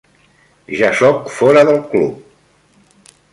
Ja soc fora del club.